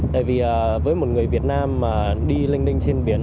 tại vì với một người việt nam mà đi linh đinh trên biển